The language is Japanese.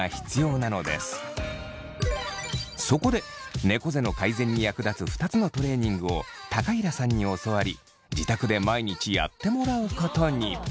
そこでねこ背の改善に役立つ２つのトレーニングを高平さんに教わり自宅で毎日やってもらうことに。